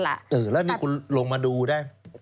แล้วนี่คุณลงมาดูได้